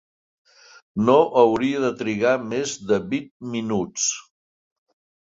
No hauria de trigar més de vint minuts.